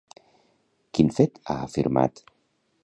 Quin fet ha afirmat?